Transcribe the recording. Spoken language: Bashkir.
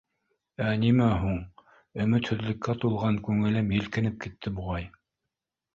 — Ә нимә һуң? — Өмөтһөҙлөккә тулған күңелем елкенеп китте, буғай.